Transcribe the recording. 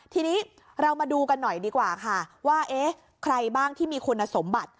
ทีนี้เรามาดูกันหน่อยดีกว่าค่ะว่าเอ๊ะใครบ้างที่มีคุณสมบัติ